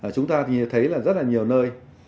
chúng ta thấy là rất là nhiều nơi